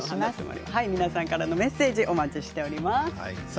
皆さんからのメッセージお待ちしています。